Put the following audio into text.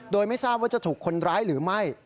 โดยไม่ทราบว่าจะถูกคนร้ายหรือไม่